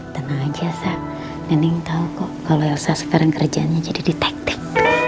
tenang aja yasa neng tau kok kalo yosa sekarang kerjaannya jadi detektif